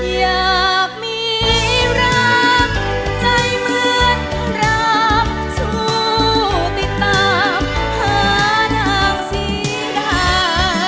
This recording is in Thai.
อยากมีรักใจเหมือนรับชู้ติดตามหานางศรีดา